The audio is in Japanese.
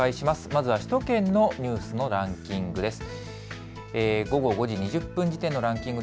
まずは首都圏のニュースのランキングです。